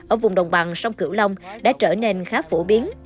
ở vùng đồng bằng sông cửu long đã trở nên khá phổ biến